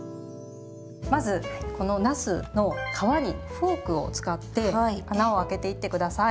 まずこのなすの皮にフォークを使って穴をあけていって下さい。